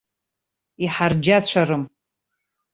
Иҳарџьацәарым!